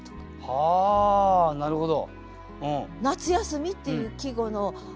はあなるほど。